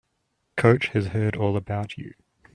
Coach has heard all about you.